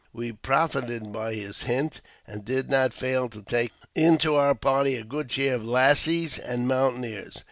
We profited by his hint, and did not fail to take into our party a good share of lasses and mountaineers.